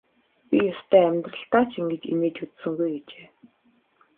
Би ёстой амьдралдаа ч ингэж инээж үзсэнгүй гэжээ.